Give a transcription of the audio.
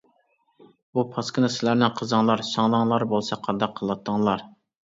بۇ پاسكىنا سىلەرنىڭ قىزىڭلار سىڭلىڭلار بولسا قانداق قىلاتتىڭلار؟ !